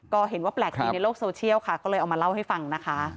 ก็เห็นว่าแปลกดีในโลกโซเชียลค่ะก็เลยเอามาเล่าให้ฟังนะคะ